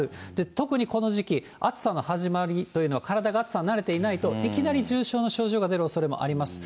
特にこの時期、暑さの始まりというのは体が暑さに慣れてないと、いきなり重症の症状が出るおそれもあります。